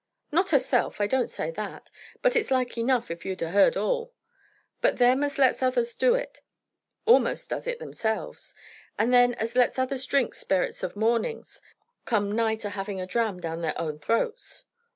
"Not herself, I don't say that; but it's like enough if you 'ad heard all. But them as lets others do it almost does it themselves. And them as lets others drink sperrrits o' mornings come nigh to having a dram down their own throats."